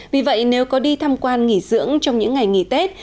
vì vậy nếu có đi tham quan nghỉ dưỡng trong những ngày nghỉ tết